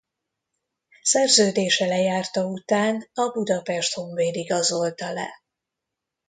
Szerződése lejárta után a Budapest Honvéd igazolta le.